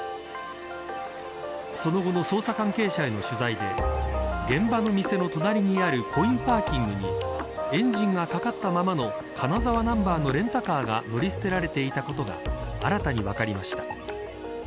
その後の捜査関係者への取材で現場の店の隣にあるコインパーキングにエンジンがかかったままの金沢ナンバーのレンタカーが乗り捨てられていたことが新たに分かりました。